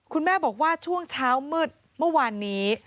คุณแม่บอกว่าช่วงเช้ามืดเมื่อวานนี้